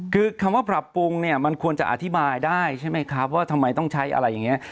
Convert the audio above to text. คือคำว่าปรับปรุงเนี่ยมันควรจะอธิบายได้ใช่ไหมครับว่าทำไมต้องใช้อะไรอย่างนี้